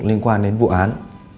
liên quan đến vụ án